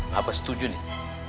mbak setuju mbak